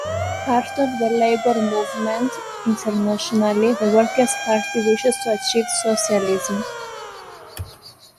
Part of the labor movement internationally, the Workers' Party wishes to achieve socialism.